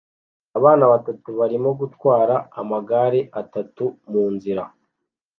Abana batatu barimo gutwara amagare atatu munzira